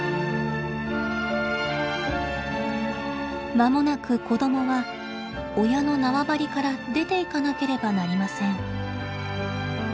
まもなく子供は親の縄張りから出ていかなければなりません。